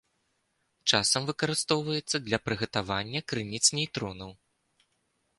Часам выкарыстоўваецца для прыгатавання крыніц нейтронаў.